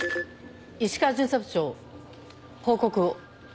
石川巡査部長報告を。